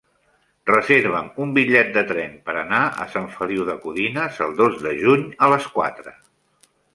Reserva'm un bitllet de tren per anar a Sant Feliu de Codines el dos de juny a les quatre.